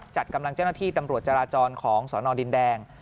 จัดกำลังเจ้าหน้าที่ตำรวจจราจรของสนดินแดง